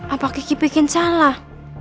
apa kiki bikin salah